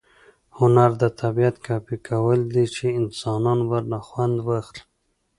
هنر د طبیعت کاپي کول دي، چي انسانان ورنه خوند واخلي.